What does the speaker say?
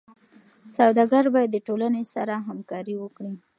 سوداګر باید د ټولنې سره همکاري وکړي.